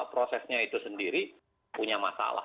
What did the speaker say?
prosesnya itu sendiri punya masalah